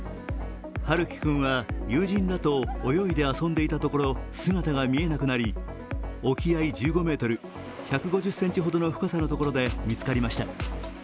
遥希君は友人らと泳いで遊んでいたところ、姿が見えなくなり沖合１５ｍ、１５０ｃｍほどの深さのところで見つかりました。